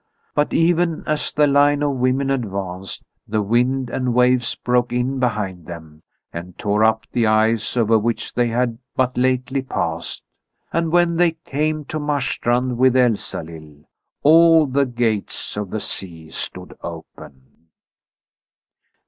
But even as the line of women advanced, the wind and waves broke in behind them and tore up the ice over which they had but lately passed; and when they came to Marstrand with Elsalill, all the gates of the sea stood open.